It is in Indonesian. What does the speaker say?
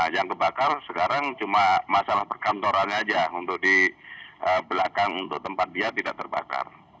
yang kebakar sekarang cuma masalah perkantorannya aja untuk di belakang untuk tempat dia tidak terbakar